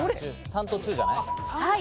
「三」と「中」じゃない？